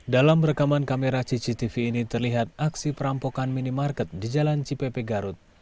dalam rekaman kamera cctv ini terlihat aksi perampokan minimarket di jalan cipepe garut